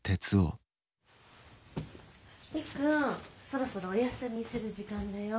そろそろおやすみする時間だよ。